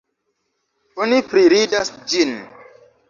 Oni priridas ĝin.